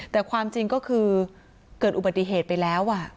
แต่ความจริงก็คือเกิดอุบัติเหตุไปแล้ว